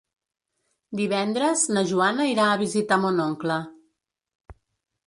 Divendres na Joana irà a visitar mon oncle.